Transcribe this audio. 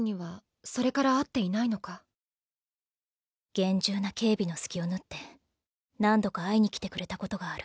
厳重な警備の隙を縫って何度か会いに来てくれた事がある。